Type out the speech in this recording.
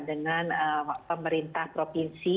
dengan pemerintah provinsi